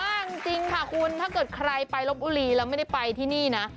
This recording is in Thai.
มากจริงค่ะคุณถ้าเกิดใครไปลบบุรีแล้วไม่ได้ไปที่นี่นะ